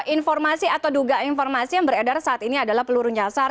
informasi atau duga informasi yang beredar saat ini adalah peluru nyasar